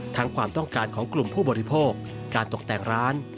ความต้องการของกลุ่มผู้บริโภคการตกแต่งร้าน